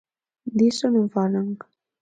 Diso non falan.